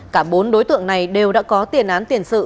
cả bốn đối tượng này đều đã có tiền án tiền sự